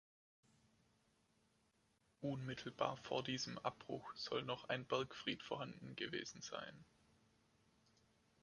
Unmittelbar vor diesem Abbruch soll noch ein Bergfried vorhanden gewesen sein.